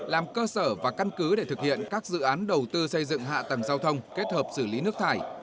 làm cơ sở và căn cứ để thực hiện các dự án đầu tư xây dựng hạ tầng giao thông kết hợp xử lý nước thải